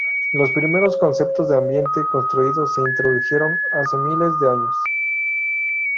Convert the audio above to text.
Los primeros conceptos de ambiente construido se introdujeron hace miles de años.